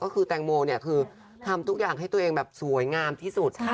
ก็คือแตงโมเนี่ยคือทำทุกอย่างให้ตัวเองแบบสวยงามที่สุด